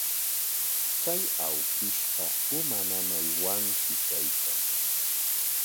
Chay awkishqa uma nanaywanshi kaykan.